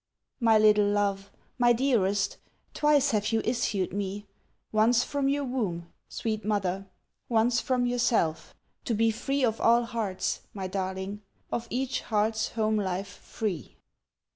My little love, my dearest Twice have you issued me, Once from your womb, sweet mother, Once from myself, to be Free of all hearts, my darling, Of each heart's home life free.